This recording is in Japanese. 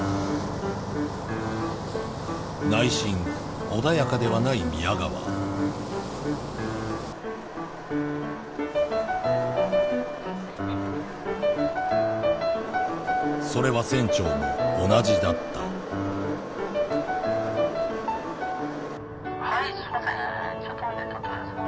内心穏やかではない宮川それは船長も同じだった「はいすいません移動します」。